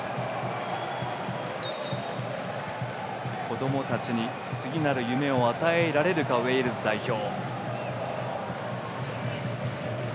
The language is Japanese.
子どもたちに次なる夢を与えられるかどうかウェールズ代表。